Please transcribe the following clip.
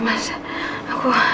masin udah takut reina itu anaknya